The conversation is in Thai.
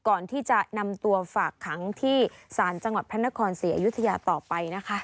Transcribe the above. ก่อนที่จะนำตัวฝากขังที่ศาลจังหวัดพระนครศรีอยุธยาต่อไปนะคะ